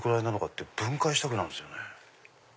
って分解したくなるんですよね。